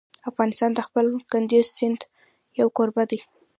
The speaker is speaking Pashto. افغانستان د خپل کندز سیند یو کوربه دی.